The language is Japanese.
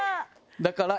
だから。